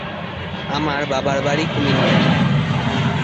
আমার বাবার বাড়ি কুমিল্লায়।